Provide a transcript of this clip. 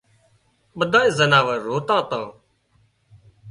ٻڌانئي زناور زوتان تان